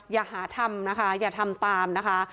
อย่าหาทำนะคะอย่าทำตามนะคะ